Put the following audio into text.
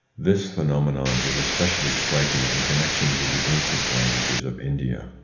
This phenomenon is specially striking in connection with the ancient languages of India.